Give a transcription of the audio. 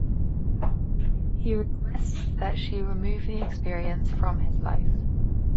He requests that she remove the experience from his life.